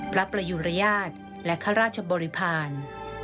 ประยุรยาทและข้าราชบริพาณ